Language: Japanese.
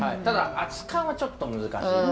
ただ熱燗はちょっと難しい。